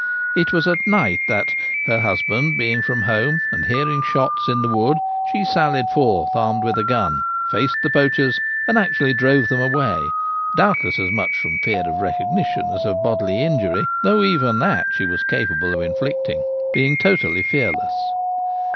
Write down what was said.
It was at night that, her husband being from home and hearing shots in the wood, she sallied forth armed with a gun, faced the poachers, and actually drove them away, doubtless as much from fear of recognition as of bodily injury, though even that she was capable of inflicting, being totally fearless.